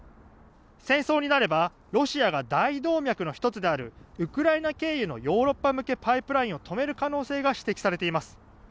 戦争になればロシアが大動脈の１つであるウクライナ経由のヨーロッパ向けパイプラインを止める可能性が指摘されています。